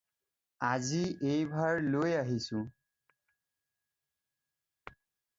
আজি এইভাৰ লৈ আহিছোঁ।